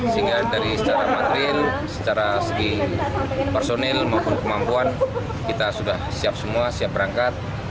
sehingga dari secara material secara segi personil maupun kemampuan kita sudah siap semua siap berangkat